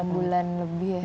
enam bulan lebih